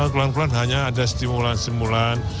keluar keluar hanya ada stimulan stimulan